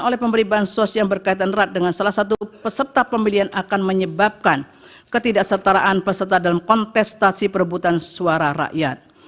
oleh pemberi bansos yang berkaitan erat dengan salah satu peserta pembelian akan menyebabkan ketidaksetaraan peserta dalam kontestasi perebutan suara rakyat